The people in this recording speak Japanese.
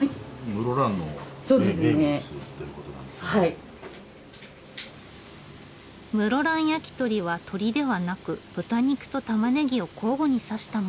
室蘭やきとりは鶏ではなく豚肉とたまねぎを交互に刺したもの。